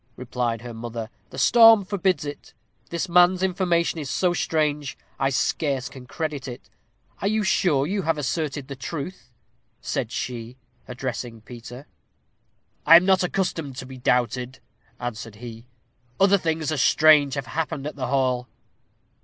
replied her mother; "the storm forbids it. This man's information is so strange, I scarce can credit it. Are you sure you have asserted the truth?" said she, addressing Peter. "I am not accustomed to be doubted," answered he. "Other things as strange have happened at the hall."